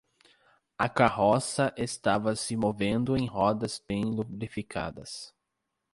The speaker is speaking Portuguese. A carroça estava se movendo em rodas bem lubrificadas.